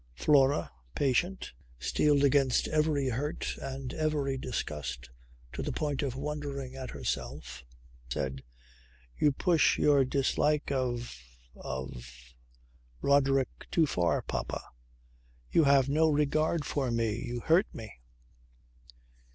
Flora, patient, steeled against every hurt and every disgust to the point of wondering at herself, said: "You push your dislike of of Roderick too far, papa. You have no regard for me. You hurt me."